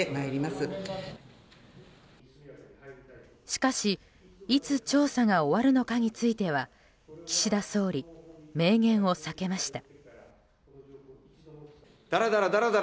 しかしいつ調査が終わるのかについては岸田総理、明言を避けました。